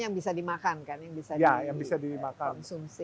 yang bisa dimakan kan yang bisa dikonsumsi